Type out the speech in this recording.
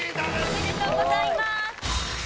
おめでとうございます。